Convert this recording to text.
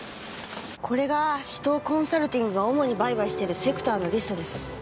これが紫藤コンサルティングが主に売買しているセクターのリストです。